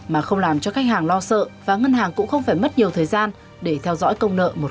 mà không làm cho khách hàng lo sợ và ngân hàng cũng không phải mất nhiều thời gian để theo dõi công nợ